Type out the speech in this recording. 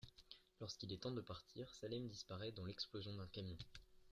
Lorsqu'il est temps de partir, Salem disparaît dans l'explosion d'un camion.